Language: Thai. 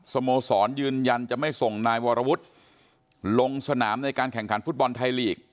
สโมสรยืนยันจะไม่ส่งนายวรวุฒิลงสนามในการแข่งขันฟุตบอลไทยลีก